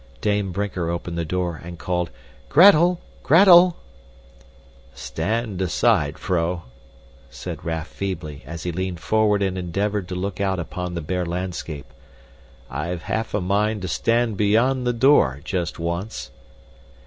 Dame Brinker opened the door, and called, "Gretel! Gretel!" "Stand aside, vrouw," said Raff feebly as he leaned forward and endeavored to look out upon the bare landscape. "I've half a mind to stand beyond the door just once."